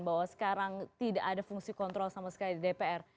bahwa sekarang tidak ada fungsi kontrol sama sekali di dpr